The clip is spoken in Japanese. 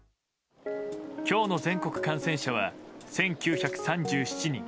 今日の全国感染者は１９３７人。